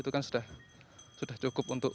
itu kan sudah cukup untuk